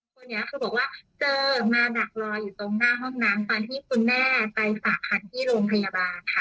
มีคนบอกว่าเจอมาดักรออยู่ในห้องน้ำตอนที่คุณแม่ส่าหะในโรงพยาบาลค่ะ